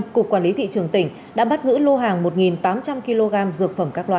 cục quản lý thị trường tỉnh đã bắt giữ lô hàng một tám trăm linh kg dược phẩm các loại